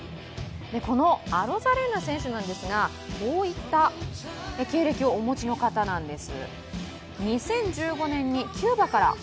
アロザレーナ選手なんですがこういった経歴をお持ちの方なんです。